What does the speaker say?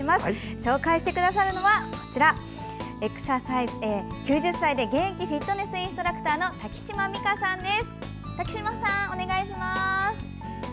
紹介してくださるのは、９０歳で現役フィットネスインストラクターの瀧島未香さんです。